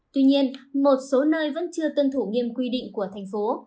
tuy nhiên một số nơi vẫn chưa tân thủ nghiêm quy định của thành phố